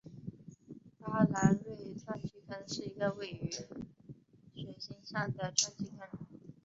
巴兰钦撞击坑是一个位于水星上的撞击坑。